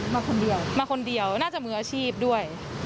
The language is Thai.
มาคนเดียวมาคนเดียวน่าจะมืออาชีพด้วย